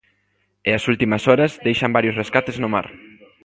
E as últimas horas deixan varios rescates no mar.